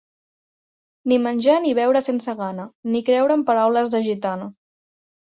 Ni menjar ni beure sense gana, ni creure en paraules de gitana.